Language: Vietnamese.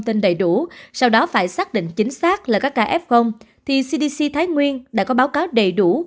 tin đầy đủ sau đó phải xác định chính xác là các kf thì cdc thái nguyên đã có báo cáo đầy đủ